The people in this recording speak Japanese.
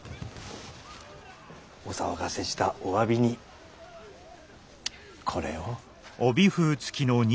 お騒がせしたおわびにこれを。